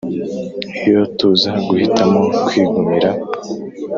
Iyo tuza guhitamo kwigumira